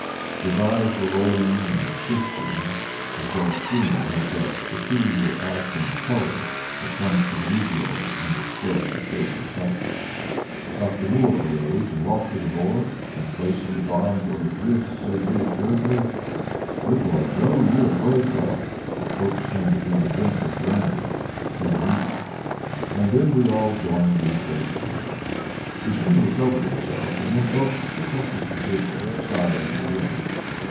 His eyes were rolling and shifting, his dark skin had that peculiar ashen color that comes to the negro under stress of great excitement. Dr. Moore arose and walked to the boy, and, placing his hands on his wrist, said reassuringly: "Good boy, Joe! you are a brave fellow." Oakes handed him a drink of brandy he needed it and then we all joined in praising him. He soon recovered himself, and then Oakes took up his position beside him again.